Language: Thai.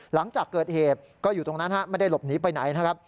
หลังจากเกิดเหตุก็อยู่ตรงนั้นไม่ได้หลบหนีไปไหนนะครับ